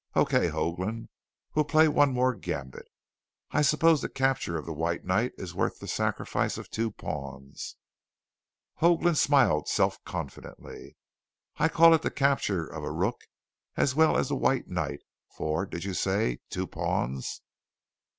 Okay, Hoagland, we'll play one more gambit. I suppose the capture of the White Knight is worth the sacrifice of two pawns." Hoagland smiled self confidently. "I call it the capture of a Rook as well as the White Knight for did you say two pawns?"